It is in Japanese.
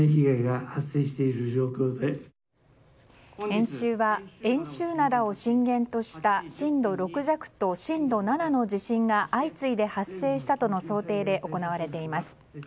演習は遠州灘を震源とした震度６弱と震度７の地震が相次いで発生したとの想定で行われています。